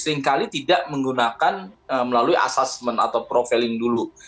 seringkali tidak menggunakan melalui assessment atau profiling dulu